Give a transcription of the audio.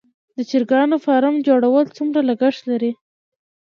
د چرګانو فارم جوړول څومره لګښت لري؟